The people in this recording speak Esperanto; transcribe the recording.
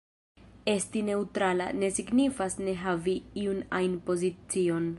Esti “neǔtrala” ne signifas ne havi iun ajn pozicion.